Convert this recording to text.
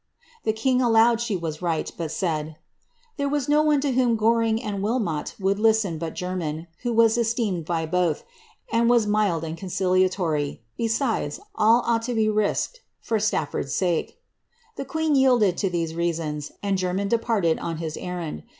'*' The king allowed she was right, but said ^ there was no one to whom Goring and Wilmot would listen but Jermyn, who was esteemed by both, and was mild and conciliatory; besides, ail ought to be risked for Strafford's sake." The queen yielded to these reasons, and Jermyn departed on his errand.